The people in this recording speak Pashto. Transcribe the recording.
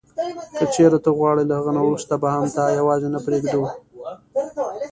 که چیري ته غواړې له هغه نه وروسته به هم تا یوازي نه پرېږدو.